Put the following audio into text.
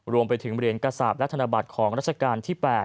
รวมไปถึงเหรียญกระสาปและธนบัตรของราชการที่๘